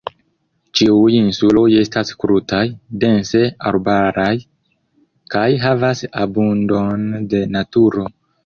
Ĉiuj insuloj estas krutaj, dense arbaraj kaj havas abundon de naturo.